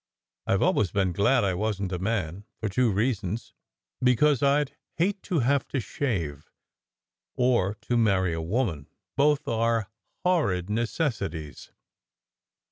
I ve always been glad I wasn t a man, for two reasons: because I d hate to have to shave, or to marry a woman. Both are horrid necessities."